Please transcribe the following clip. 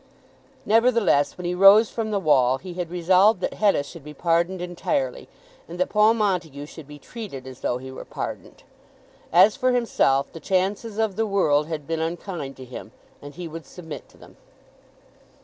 Nevertheless, when he rose from the wall he had resolved that Hetta should be pardoned entirely, and that Paul Montague should be treated as though he were pardoned. As for himself, the chances of the world had been unkind to him, and he would submit to them!